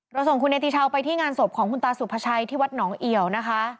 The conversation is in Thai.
ส่งคุณเนติชาวไปที่งานศพของคุณตาสุภาชัยที่วัดหนองเอี่ยวนะคะ